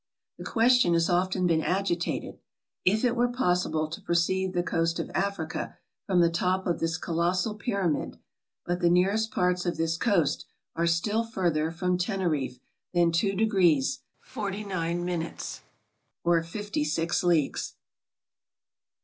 The question has often been agitated, if it were possible to perceive the coast of Africa from the top of this colossal pyramid ; but the nearest parts of this coast are still farther from Teneriffe than 2° 49/, or fifty six leagues.